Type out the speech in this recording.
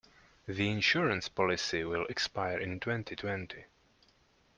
The insurance policy will expire in twenty-twenty.